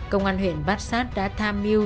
công an huyện bát sát đã tham mưu